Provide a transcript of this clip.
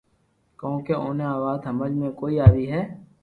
ڪونڪھ اوني آ وات ھمج ۾ ڪوئي آوي ھي